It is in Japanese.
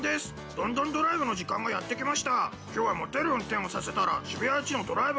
「ＤＯＮ！ＤＯＮ！ドライブ」の時間がやってきました。